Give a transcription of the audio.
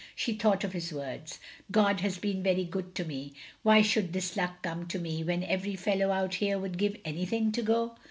She thought of his words : "God has been very good to me. Why should this luck come to me, when every fellow out here would give anything to go?